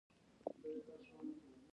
ګیدړ وویل چې اې کم عقلې دا ټول درواغ وو